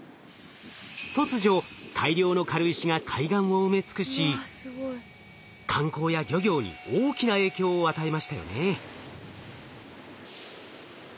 突如大量の軽石が海岸を埋め尽くし観光や漁業に大きな影響を与えましたよね。